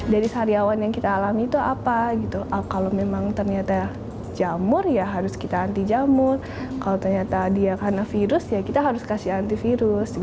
jadi saryawan yang kita alami itu apa kalau memang ternyata jamur ya harus kita anti jamur kalau ternyata dia karena virus ya kita harus kasih antivirus